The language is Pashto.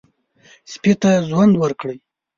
سپي ته ژوند ورکړئ.